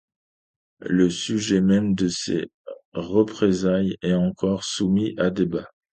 Le sujet même de ces représailles est encore soumis à débat.